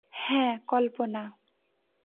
হ্যাঁ, কল্পনা।